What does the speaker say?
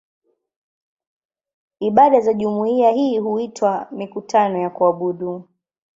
Ibada za jumuiya hii huitwa "mikutano ya kuabudu".